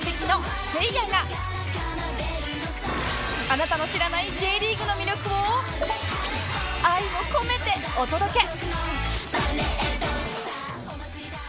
あなたの知らない Ｊ リーグの魅力を愛を込めてお届け！